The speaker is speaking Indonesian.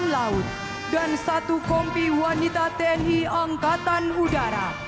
lulusan akademi militer tahun dua ribu empat